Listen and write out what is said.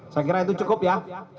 saya kira itu cukup ya